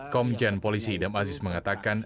komjen polisi idam aziz mengatakan